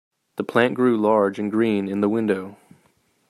The plant grew large and green in the window.